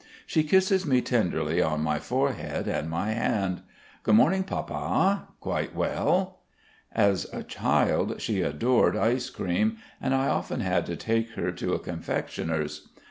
She kisses me tenderly on my forehead and my hand. "Good morning, Papa. Quite well?" As a child she adored ice cream, and I often had to take her to a confectioner's.